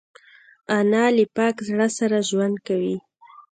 انا له پاک زړه سره ژوند کوي